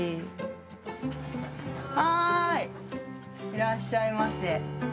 いらっしゃいませ。